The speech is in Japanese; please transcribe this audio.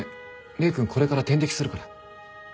礼くんこれから点滴するから。